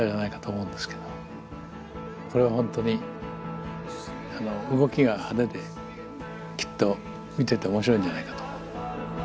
これは本当に動きが派手できっと見てて面白いんじゃないかと思う。